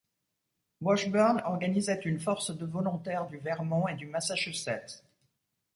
Washburn organisait une force de volontaires du Vermont et du Massachusetts.